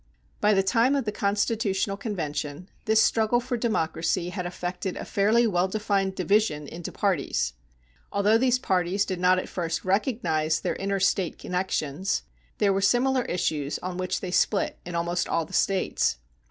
By the time of the constitutional convention, this struggle for democracy had affected a fairly well defined division into parties. Although these parties did not at first recognize their interstate connections, there were similar issues on which they split in almost all the States.